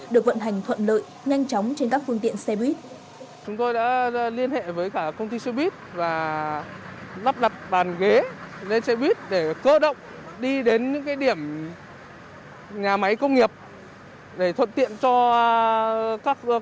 được vận hành thuận lợi nhanh chóng trên các phương tiện xe buýt